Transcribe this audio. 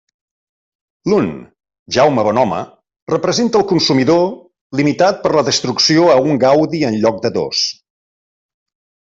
L'un, Jaume Bonhome, representa el consumidor, limitat per la destrucció a un gaudi en lloc de dos.